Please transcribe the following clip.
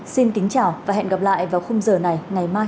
xin kính chào và hẹn gặp lại vào khung giờ này ngày mai